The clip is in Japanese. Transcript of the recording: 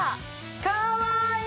かわいい！